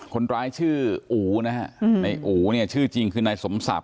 คนร้ายชื่ออูนะในอูเนี่ยชื่อจริงคือที่นายสมศัพท์